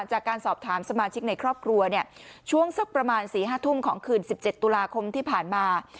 จากการสอบถามสมาชิกในครอบครัวเนี่ยช่วงสักประมาณ๔๕ทุ่มของคืน๑๗ตุลาคมที่ผ่านมา